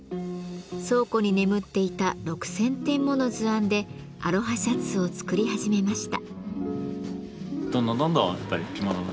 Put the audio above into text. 倉庫に眠っていた６，０００点もの図案でアロハシャツを作り始めました。